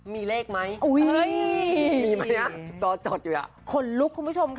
มีเลขไหมเอ้ยมีไหมตอบจดอยู่อ่ะคนลุกคุณผู้ชมค่ะ